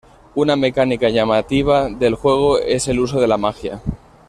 Una mecánica llamativa del juego es el uso de la magia.